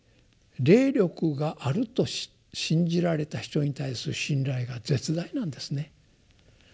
霊力があると信じられた人に対する信頼が絶大なんですね。